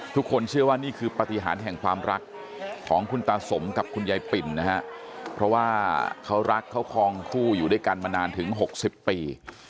ทุกคนเชื่อว่านี่คือปฏิหารแห่งความรักของคุณตาสมกับคุณยายปิ่นนะฮะเพราะว่าเขารักเขาคลองคู่อยู่ด้วยกันมานานถึง๖๐ปี